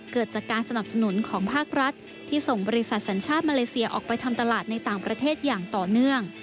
เกิดจากการสนับสนุนของภาครัฐที่ส่งบริษัทสัญชาติมาเลเซียออกไปทำตลาดในต่างประเทศอย่างต่อเนื่อง